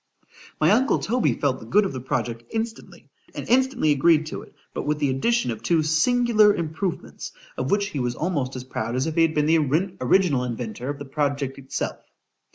My uncle Toby felt the good of the project instantly, and instantly agreed to it, but with the addition of two singular improvements, of which he was almost as proud as if he had been the original inventor of the project itself.